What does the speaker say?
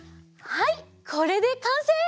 はいこれでかんせい！